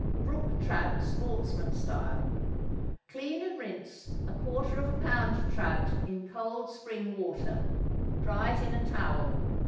=Brook Trout, Sportsman Style.= Clean and rinse a quarter of a pound trout in cold spring water; dry it in a towel.